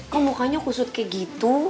kok mukanya kusut kayak gitu